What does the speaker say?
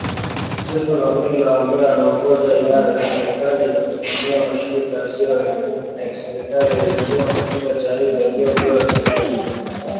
StephenOKello, ambaye anaongoza idara ya serikali inayosimamia mashirika yasiyo ya kiserikali, alisema katika taarifa iliyopewa siku ya Jumamosi.